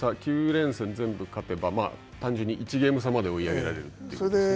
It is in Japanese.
９連戦全部勝てば、単純に１ゲーム差まで追い上げられるということですね。